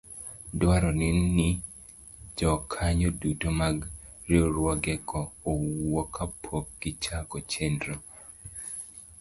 dwarore ni jokanyo duto mag riwruogego owuo kapok gichako chenrono.